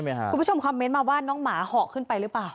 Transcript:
คุณผู้ชมคอมเมนต์มาว่าน้องหมาเห่าขึ้นไปหรือเปล่า